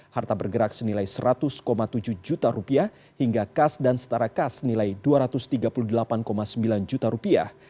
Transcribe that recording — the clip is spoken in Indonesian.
harta bergerak senilai seratus tujuh juta rupiah hingga kas dan setara kas nilai dua ratus tiga puluh delapan sembilan juta rupiah